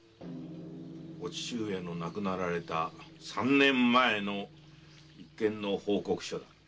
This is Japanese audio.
お父上の亡くなられた三年前の一件の報告書だ。